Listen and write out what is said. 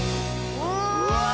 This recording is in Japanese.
うわ！